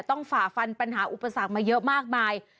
ฝ่าฟันปัญหาอุปสรรคมาเยอะมากมาย